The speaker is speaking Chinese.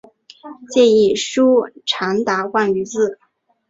建议书长达万余字。